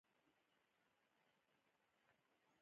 په هند کې د اسلام دین ډېره پراختیا ومونده.